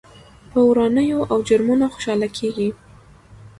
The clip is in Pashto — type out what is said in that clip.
پر ورانيو او جرمونو خوشحاله کېږي.